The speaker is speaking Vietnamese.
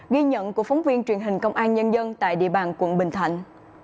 ghi nhận của phóng viên truyền hình công an nhân dân tại địa bàn quận bình thạnh